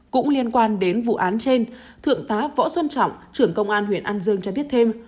cũng liên quan đến vụ án trên thượng tá võ xuân trọng trưởng công an huyện an dương cho biết thêm